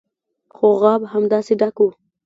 خو غاب هماغسې ډک و.